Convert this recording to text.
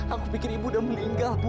aku pikir ibu udah meninggal bu